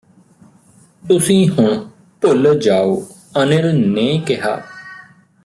ਤੁਸੀਂ ਹੁਣ ਭੁੱਲ ਜਾਓ ਅਨਿਲ ਨੇ ਕਿਹਾ